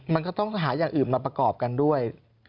มันก็ต้องหาอย่างอื่นมาประกอบกันด้วย